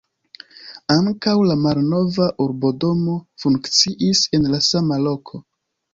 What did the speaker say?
Ankaŭ la malnova urbodomo funkciis en la sama loko.